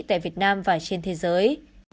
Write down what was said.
tại việt nam và trên thế giới